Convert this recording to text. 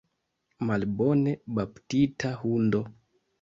Malbone baptita hundo!